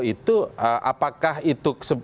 itu apakah itu